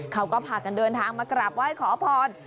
เขาก็พากันเดินทางมากราบไหว้ขอพร